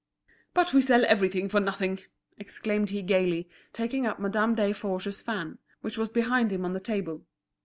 "But we sell everything for nothing!" exclaimed he gaily, taking up Madame Desforges's fan, which was behind him on the table.